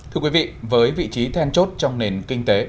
thưa quý vị với vị trí then chốt trong nền kinh tế